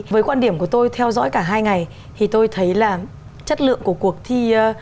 với quan điểm của tôi theo dõi cả hai ngày thì tôi thấy là chất lượng của cuộc thi